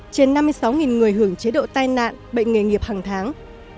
trên năm mươi sáu người hưởng chế độ tai nạn bệnh nghề nghiệp hàng tháng